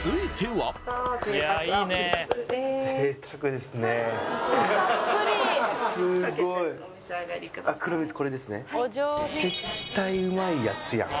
はい絶対うまいやつやん